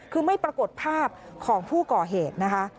คือไม่ปรากฏภาพของผู้ก่อเหตุนะคะ